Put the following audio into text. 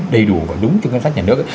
đầy đủ và đúng cho ngân sách nhà nước